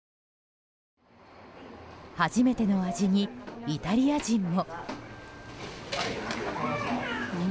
初めての味にイタリア人も。